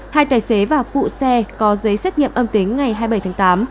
hai tài xế và phụ xe có giấy xét nghiệm âm tính ngày hai mươi bảy tháng tám